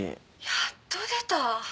やっと出た